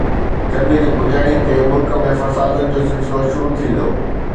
جنگ جي پڄاڻيءَ تي ملڪ ۾ فسادن جو سلسلو شروع ٿي ويو.